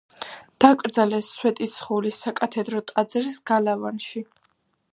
დაკრძალეს სვეტიცხოვლის საკათედრო ტაძრის გალავანში.